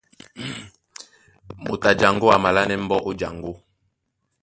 Moto a jaŋgó a malánɛ́ mbɔ́ ó jaŋgó.